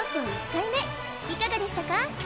１回目いかがでしたか？